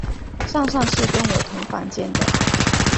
上上次跟我同房间的